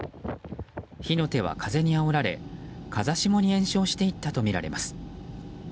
火の手は風にあおられ、風下に延焼していったとみられます。